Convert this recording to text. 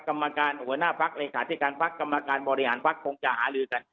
กรรมการหัวหน้าภักดิ์หรือขาดที่การภักดิ์กรรมการบริหารภักดิ์คงจะหาลือกัน